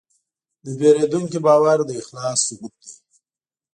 د پیرودونکي باور د اخلاص ثبوت دی.